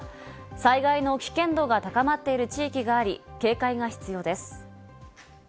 災害の危険度が高まっている地域があり、警戒が必要です。